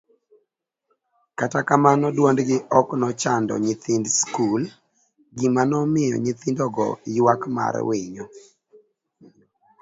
kata kamano duondgi ok nochando nyithi skul, gima nomiyo nyithindogo ywak mar winyo